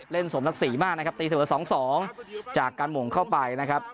เล่นสมทักษรีมากนะครับตีเสมอสองสองจากการหม่วงเข้าไปนะครับ